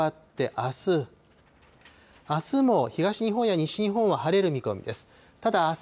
あすも東日本や西日本は晴れる見込みです。